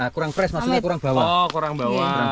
kurang pres maksudnya kurang bawah